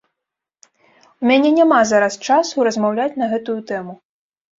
У мяне няма зараз часу размаўляць на гэту тэму.